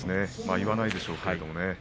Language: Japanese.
言わないでしょうけれど。